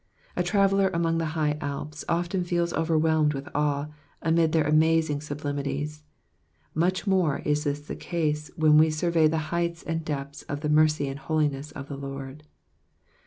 A traveller among the high Alps often feels overwhelmed with awe, amid their amazing sublimi ties ; much more is this the case when we survey the heights and depths of the mercy and holiness of the Lord.